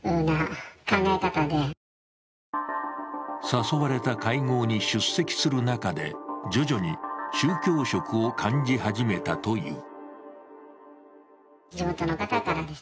誘われた会合に出席する中で、徐々に宗教色を感じ始めたという。